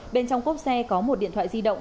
bên trong cốp xe có một điện thoại di động